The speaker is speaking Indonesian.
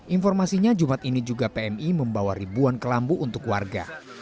informasinya jumat ini juga pmi membawa ribuan kelambu untuk warga